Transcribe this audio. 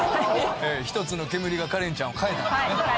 １つの煙がカレンちゃんを変えたんですね。